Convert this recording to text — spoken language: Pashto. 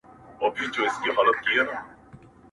د هجرت غوټه تړمه روانېږم~